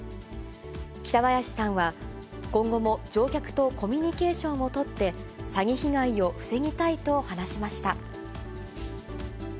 北林さんは、今後も乗客とコミュニケーションを取って、詐欺被害を防ぎたいと話しました。